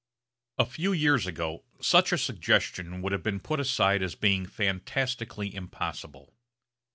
A few years ago such a suggestion would have been put aside as being fantastically impossible.